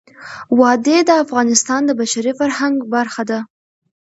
وادي د افغانستان د بشري فرهنګ برخه ده.